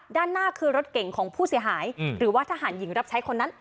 ด้านหน้าคือรถเก่งของผู้เสียหายหรือว่าทหารหญิงรับใช้คนนั้น